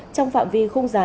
trong phạm vi khung giá